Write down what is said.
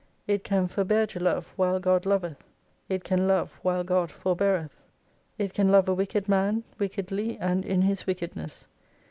It can forbear to love while God loveth. It can love while God forbeareth. It can love a wicked man, wickedly and in his wickedness.